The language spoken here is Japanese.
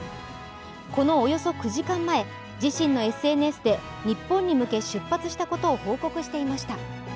このおよそ９時間前、自身のＳＮＳで日本に向け出発したことを報告していました。